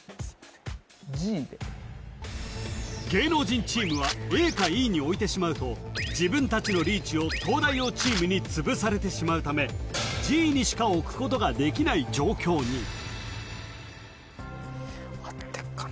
Ｇで芸能人チームはＡかＥに置いてしまうと自分達のリーチを東大王チームに潰されてしまうためＧにしか置くことができない状況に合ってっかな